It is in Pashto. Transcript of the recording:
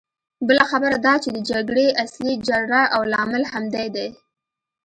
بله خبره دا چې د جګړې اصلي جرړه او لامل همدی دی.